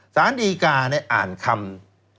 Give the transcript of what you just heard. สารดีกาอ่านคำ